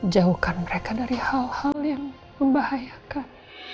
jauhkan mereka dari hal hal yang membahayakan